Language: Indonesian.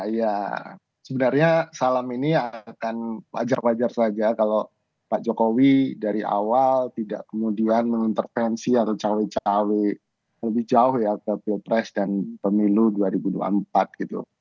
ya sebenarnya salam ini akan wajar wajar saja kalau pak jokowi dari awal tidak kemudian mengintervensi atau cawe cawe lebih jauh ya ke pilpres dan pemilu dua ribu dua puluh empat gitu